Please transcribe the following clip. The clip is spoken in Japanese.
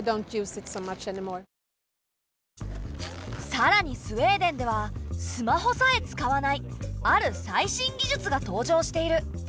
さらにスウェーデンではスマホさえ使わないある最新技術が登場している。